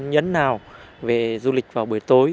nhấn nào về du lịch vào buổi tối